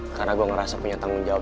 karena gue ngerasa punya tanggung jawab